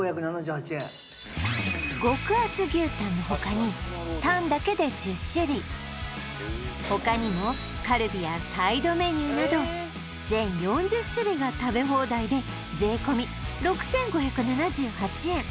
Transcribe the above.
極厚牛タンの他に他にもカルビやサイドメニューなど全４０種類が食べ放題で税込み６５７８円